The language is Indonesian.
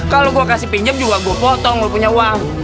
kalau gua kasih pinjam juga gua potong lu punya uang